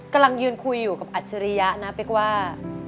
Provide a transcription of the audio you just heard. กำลังยืนคุยอยู่กับอัจฉริยะนะเป๊กว่า